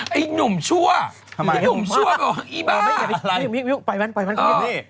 ไอ้หนุ่มชัวร์ฮึยปล่วยมันปล่อยมัน